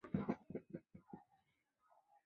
一说创建于康熙五十一年。